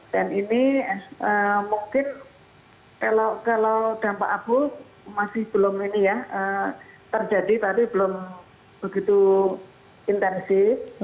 dan ini mungkin kalau dampak abu masih belum ini ya terjadi tapi belum begitu intensif